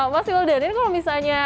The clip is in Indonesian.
mas wildan ini kalau misalnya